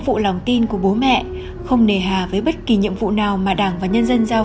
phụ lòng tin của bố mẹ không nề hà với bất kỳ nhiệm vụ nào mà đảng và nhân dân có thể tìm được